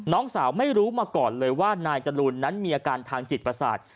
น้องสาวไม่รู้มาก่อนเลยว่านายจรูนนั้นมีอาการทางจิตประสาท